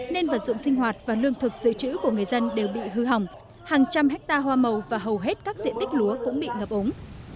nên vật dụng sinh hoạt và lương thực dự trữ của người dân đều bị hư hỏng hàng trăm hectare hoa màu và hầu hết các diện tích lúa cũng bị ngập ống